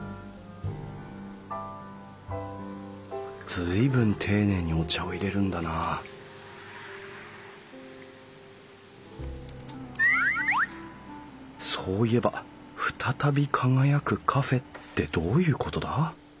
随分丁寧にお茶を淹れるんだなそういえば「ふたたび輝くカフェ」ってどういうことだ？